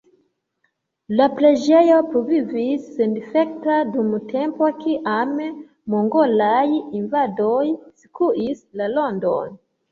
La preĝejo pluvivis sendifekta dum tempo kiam mongolaj invadoj skuis la landon.